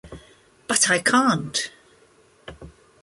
But I can't.